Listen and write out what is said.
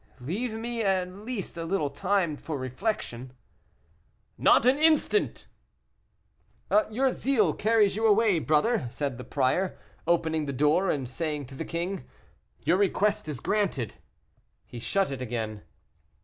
"Leave me at least a little time for reflection." "Not an instant!" "Your zeal carries you away, brother," said the prior, opening the door; and saying to the king, "Your request is granted," he shut it again.